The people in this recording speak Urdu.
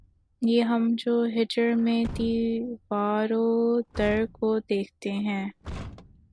یہ ہم جو ہجر میں دیوار و در کو دیکھتے ہیں